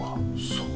そう。